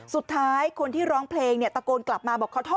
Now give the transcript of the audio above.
สุดท้ายคนที่ร้องเพลงตะโกนกลับมาบอก